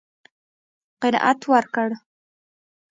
قناعت ورکړ.